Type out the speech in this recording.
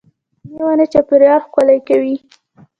شنې ونې چاپېریال ښکلی کوي.